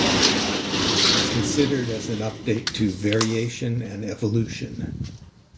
It is considered as an update to "Variation and Evolution".